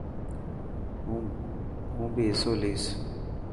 هون بي حصو ليسن.